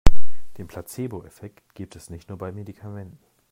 Den Placeboeffekt gibt es nicht nur bei Medikamenten.